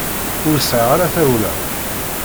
Ur sɛiɣ ara tawla.